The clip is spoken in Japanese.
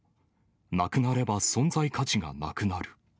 なくなれば存在価値がなくなる。